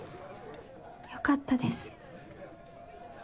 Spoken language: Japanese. よかったです。